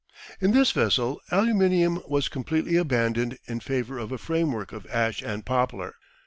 In this vessel aluminium was completely abandoned in favour of a framework of ash and poplar.